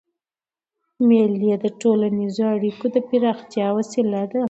مېلې د ټولنیزو اړیکو د پراختیا وسیله ده.